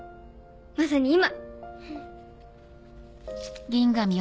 まさに今！